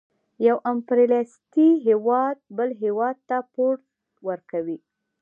یو امپریالیستي هېواد بل هېواد ته پور ورکوي